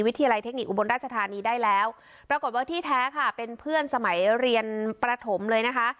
วิทยาลัยเทคนิคอุบลราชธานีได้แล้วปรากฏว่าที่แท้ค่ะเป็นเพื่อนสมัยเรียนประถมเลยนะคะ